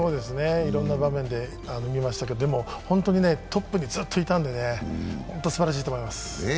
いろんな場面で見ましたけどでも、本当にトップにずっといたんでね、すばらしいと思います。